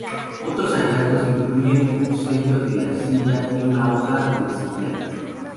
Otros hallazgos incluyen un sello de arcilla y una hoja de obsidiana.